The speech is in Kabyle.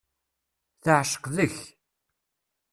Teεceq deg-k.